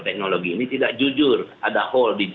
teknologi ini tidak jujur ada whole di